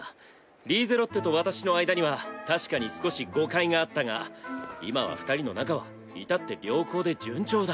リーゼロッテと私の間には確かに少し誤解があったが今は二人の仲はいたって良好で順調だ。